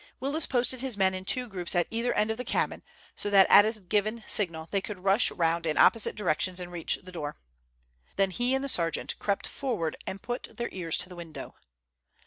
Willis posted his men in two groups at either end of the cabin, so that at a given signal they could rush round in opposite directions and reach the door. Then he and the sergeant crept forward and put their ears to the window.